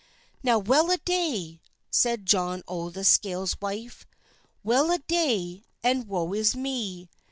"Now well a day!" said John o' the Scales' wife, "Well a day, and woe is me!